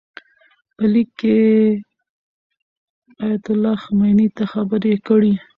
په لیک کې یې ایتالله خمیني ته خبرې کړي.